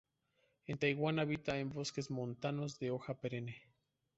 En Taiwan habita en bosques montanos de hoja perenne.